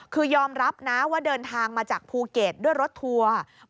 คือยอมรับนะว่าเดินทางมาจากภูเก็ตด้วยรถทัวร์